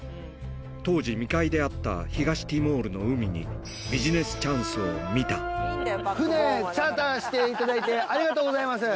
当時未開であった東ティモールの海に、ビジネスチャンスを見船、チャーターしていただいて、ありがとうございます。